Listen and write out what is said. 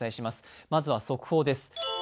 まずは速報です。